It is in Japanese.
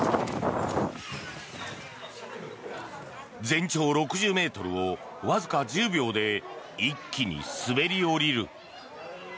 全長６０ｍをわずか１０秒で一気に滑り降りる。